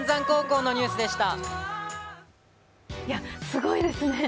すごいですね。